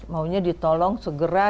maunya ditolong segera